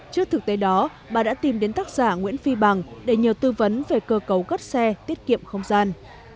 trước thực tế đó bà đã tìm đến tác giả nguyễn phi bằng để nhờ tư vấn về cơ cấu cất xe tiết kiệm không gian